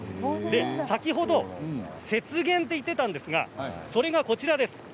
先ほど雪原と言っていたんですがそれがこちらです。